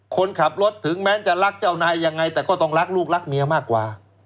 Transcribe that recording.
คนขับรถถึงแม้จะรักเจ้านายยังไงแต่ก็ต้องรักลูกรักเมียมากกว่า